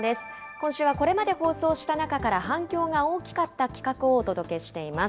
今週はこれまで放送した中から反響が大きかった企画をお届けしています。